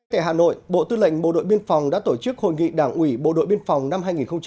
tại hà nội bộ tư lệnh bộ đội biên phòng đã tổ chức hội nghị đảng ủy bộ đội biên phòng năm hai nghìn hai mươi